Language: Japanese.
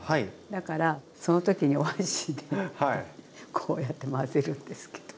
だからその時にお箸でこうやって混ぜるんですけど。